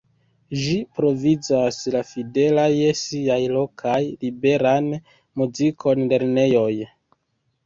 Ĝi provizas la fidela je siaj lokaj liberan muzikon lernejoj.